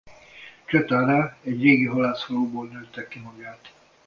Cetara egy régi halászfaluból nőtte ki magát.